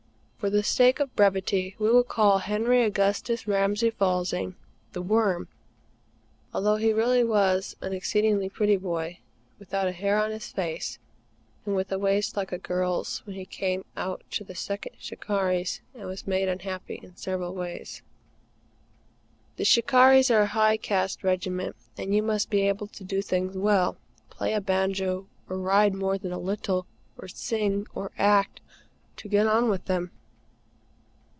For the sake of brevity, we will call Henry Augustus Ramsay Faizanne, "The Worm," although he really was an exceedingly pretty boy, without a hair on his face, and with a waist like a girl's when he came out to the Second "Shikarris" and was made unhappy in several ways. The "Shikarris" are a high caste regiment, and you must be able to do things well play a banjo or ride more than a little, or sing, or act to get on with them.